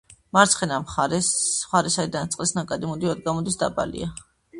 მარცხენა მხარე, საიდანაც წყლის ნაკადი მუდმივად გამოდის, დაბალია.